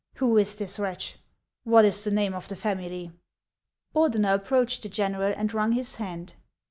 Who is this wretch ? What is the name of the family ?" Ordeiier approached the general and wrung his hand.